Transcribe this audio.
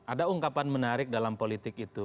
ada ungkapan menarik dalam politik itu